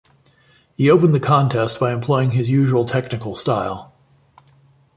He opened the contest by employing his usual technical style.